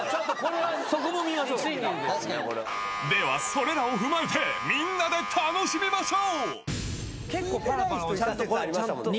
ではそれらを踏まえてみんなで楽しみましょう！